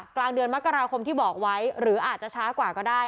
กลางเดือนมกราคมที่บอกไว้หรืออาจจะช้ากว่าก็ได้